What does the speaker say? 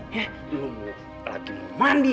lo lagi mau mandi